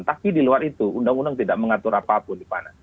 tapi di luar itu undang undang tidak mengatur apapun di pana